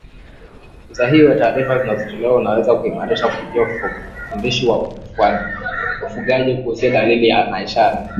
Usahihi wa taarifa zinazotolewa unaweza kuimarishwa kupitia ufundishaji wa wafugaji kuhusu dalili na ishara